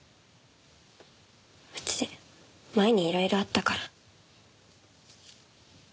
うち前にいろいろあったから。